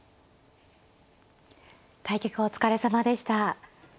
対局お疲れさまでした。